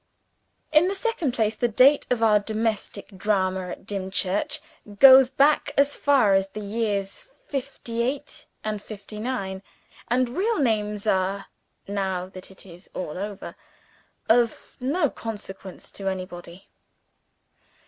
In the second place, the date of our domestic drama at Dimchurch goes back as far as the years 'fifty eight and 'fifty nine; and real names are (now that it is all over) of no consequence to anybody.